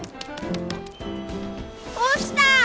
落ちた！